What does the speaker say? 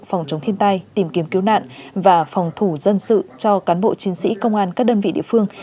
phòng chống thiên tai tìm kiếm cứu nạn và phòng thủ dân sự cho cán bộ chiến sĩ công an các đơn vị địa phương